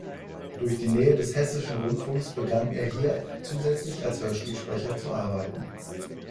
Durch die Nähe des Hessischen Rundfunks begann er hier zusätzlich als Hörspielsprecher zu arbeiten.